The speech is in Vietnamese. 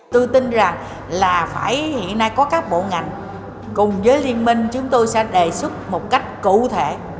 tôi tin rằng là phải hiện nay có các bộ ngành cùng với liên minh chúng tôi sẽ đề xuất một cách cụ thể